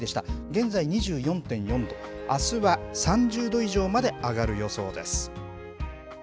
現在、２４．４度、あすは３０度以上まで上がる予想です。